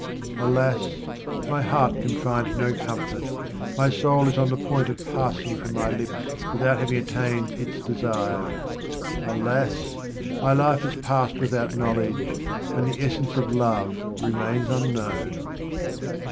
Alas ! my heart can find no comfort, my soul is on the point of passing from my lips, without having attained its desire. Alas ! my life has 58 QUATRAINS OF OMAR KHAYYAM passed without knowledge, and the essence of love remains unknown.